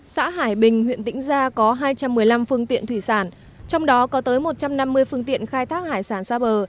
xã hải bình huyện tĩnh gia có hai trăm một mươi năm phương tiện thủy sản trong đó có tới một trăm năm mươi phương tiện khai thác hải sản xa bờ